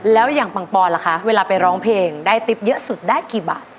แล้วอย่างปังปอนล่ะคะเวลาไปร้องเพลงได้ติ๊บเยอะสุดได้กี่บาท